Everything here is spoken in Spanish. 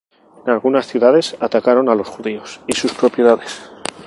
En algunas ciudades atacaron a los judíos y sus propiedades.